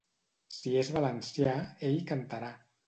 Si és valencià, ell cantarà.